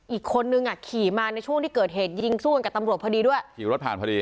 อีกคนนึงอ่ะขี่มาในช่วงที่เกิดเหตุยิงสู้กันกับตำรวจพอดีด้วยขี่รถผ่านพอดี